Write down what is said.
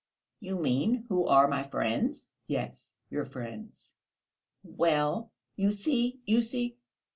"You mean, who are my friends?" "Yes, your friends...." "Well, you see ... you see!...